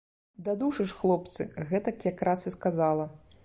Дадушы ж, хлопцы, гэтак якраз і сказала.